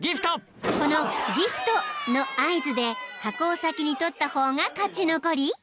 ［この「ギフト」の合図で箱を先に取った方が勝ち残り］